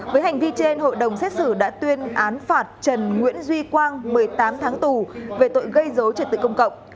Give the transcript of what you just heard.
với hành vi trên hội đồng xét xử đã tuyên án phạt trần nguyễn duy quang một mươi tám tháng tù về tội gây dối trật tự công cộng